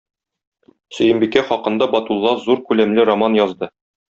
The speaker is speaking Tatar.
Сөембикә хакында Батулла зур күләмле роман язды.